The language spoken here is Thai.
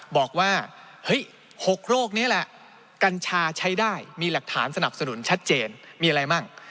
บอกว่าเฮ้ย๖โรคนี้แหละกัญชาใช้ได้มีหลักฐานสนับสนุนชัดเจนมีอะไรมั่ง